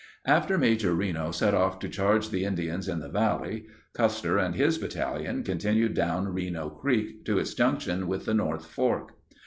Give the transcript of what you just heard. After Major Reno set off to charge the Indians in the valley, Custer and his battalion continued down Reno Creek to its junction with the north fork.